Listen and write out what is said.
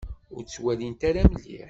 Ur ttwalint ara mliḥ.